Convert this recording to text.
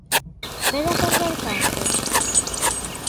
Medo a perder cartos?